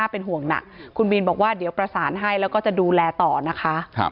โปรดติดตามตอนต่อไป